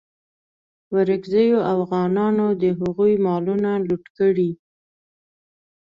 ورکزیو اوغانانو د هغوی مالونه لوټ کړي.